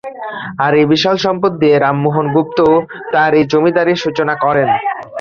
আর এই বিশাল সম্পদ দিয়ে রামমোহন গুপ্ত তার এই জমিদারীর সূচনা করেন।